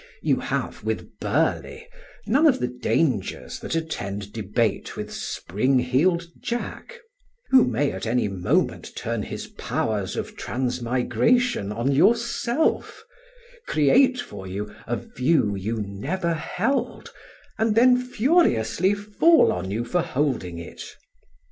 You have, with Burly, none of the dangers that attend debate with Spring Heel'd Jack; who may at any moment turn his powers of transmigration on yourself, create for you a view you never held, and then furiously fall on you for holding it.